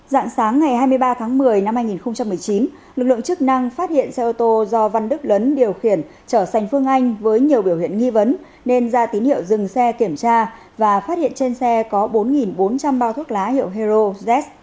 dạng sáng ngày hai mươi ba tháng một mươi năm hai nghìn một mươi chín lực lượng chức năng phát hiện xe ô tô do văn đức lớn điều khiển trở sành phương anh với nhiều biểu hiện nghi vấn nên ra tín hiệu dừng xe kiểm tra và phát hiện trên xe có bốn bốn trăm linh bao thuốc lá hiệu hero z